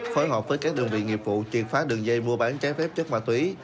phối hợp với các đường vị nghiệp vụ truyền phá đường dây mua bán trái phép chất ma túy